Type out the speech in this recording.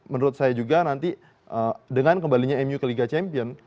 menurut saya juga nanti dengan kembalinya mu ke liga champion